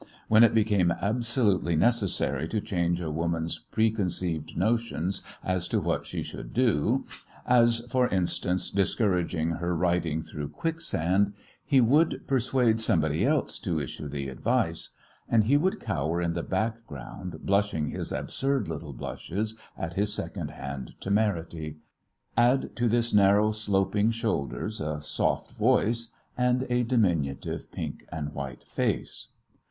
When it became absolutely necessary to change a woman's preconceived notions as to what she should do as, for instance, discouraging her riding through quicksand he would persuade somebody else to issue the advice. And he would cower in the background blushing his absurd little blushes at his second hand temerity. Add to this narrow, sloping shoulders, a soft voice, and a diminutive pink and white face.